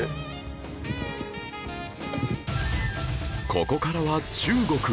ここからは中国